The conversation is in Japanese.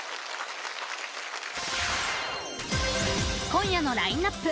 今夜のラインナップ。